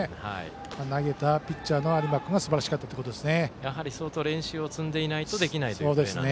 投げたピッチャーの有馬君がすばらしかったということですね。